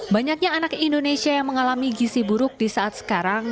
banyaknya anak indonesia yang mengalami gisi buruk di saat sekarang